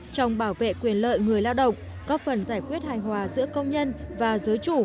trong bảo vệ quyền lợi người lao động có phần giải quyết hài hòa giữa công nhân và giới chủ